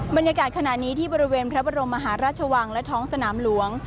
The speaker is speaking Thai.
บรรยากาศขณะนี้ที่บริเวณพระบรมมหาราชวังและท้องสนามหลวง